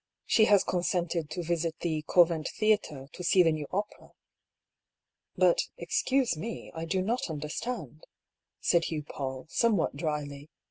She has consented to visit the Govent Theatre, to see the new opera." *' But, excuse me, I do not understand," said Dr. PauU, somewhat dryly.